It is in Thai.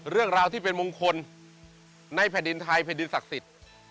เรื่องราวที่เป็นมงคลในแผ่นดินไทยแผ่นดินศักดิ์สิทธิ์